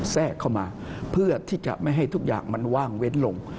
แทรกเข้ามาเพื่อที่จะไม่ให้ทุกอย่างมันว่างเว้นลง